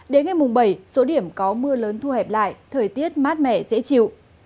đến ngày mùng bảy số điểm có mưa lớn thu hẹp lại thời tiết mát mẻ dễ chịu